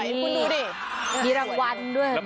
ดูดิมีรางวัลด้วยนะคะ